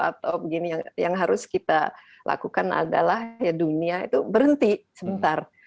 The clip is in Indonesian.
atau begini yang harus kita lakukan adalah ya dunia itu berhenti sebentar